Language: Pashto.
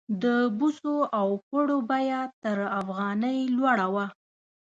د بوسو او پړو بیه تر افغانۍ لوړه وه.